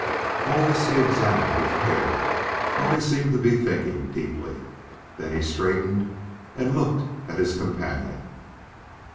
All this he examined with care while he seemed to be thinking deeply. Then he straightened and looked at his companion.